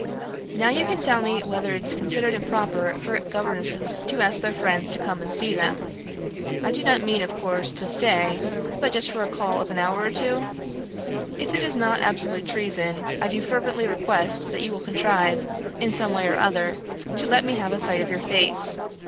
"Now can you tell me whether it is considered improper for governesses to ask their friends to come and see them. I do not mean, of course, to stay, but just for a call of an hour or two? If it is not absolute treason, I do fervently request that you will contrive, in some way or other, to let me have a sight of your face.